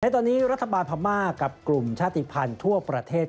ตอนนี้รัฐบาลพม่ากับกลุ่มชาติภัณฑ์ทั่วประเทศ